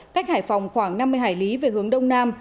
cách hải phòng khoảng năm mươi hải lý về hướng đông nam